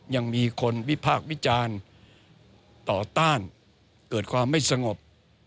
ยังมีคนวิพากษ์วิจารณ์ต่อต้านเกิดความไม่สงบ